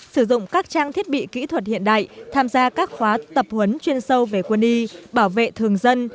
sử dụng các trang thiết bị kỹ thuật hiện đại tham gia các khóa tập huấn chuyên sâu về quân y bảo vệ thường dân